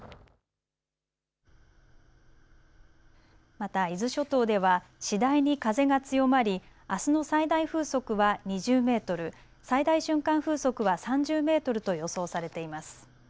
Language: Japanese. また伊豆諸島では次第に風が強まり、あすの最大風速は２０メートル、最大瞬間風速は３０メートルと予想されています。